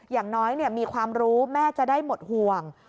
อย่างน้อยมีความรู้แม่จะได้หมดห่วง